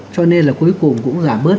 cho nên là cuối cùng cũng giảm bớt